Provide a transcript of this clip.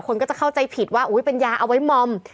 คนก็จะเข้าใจผิดว่าเป็นยาเอาไว้มอม